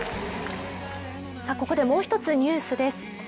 ここでもう一つニュースです。